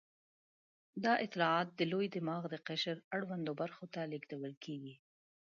دا اطلاعات د لوی دماغ د قشر اړوندو برخو ته لېږدول کېږي.